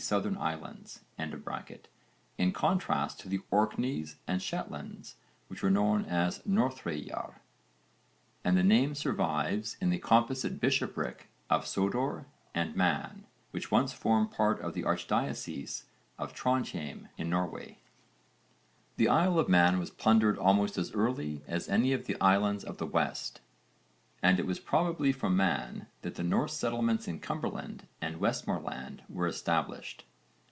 Southern Islands) in contrast to the Orkneys and Shetlands, which were known as Norðreyjar, and the name survives in the composite bishopric of 'Sodor' and Man, which once formed part of the archdiocese of Trondhjem in Norway. The Isle of Man was plundered almost as early as any of the islands of the West (v. supra, p. 12), and it was probably from Man that the Norse settlements in Cumberland and Westmorland were established.